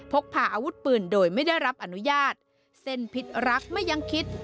พกพาอาวุธปืนโดยไม่ได้รับอนุญาตเส้นพิษรักไม่ยังคิด